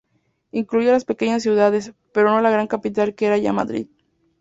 Incluía las pequeñas ciudades, pero no la gran capital que era ya Madrid.